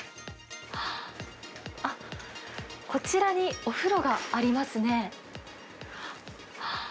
あっ、こちらにお風呂がありますね。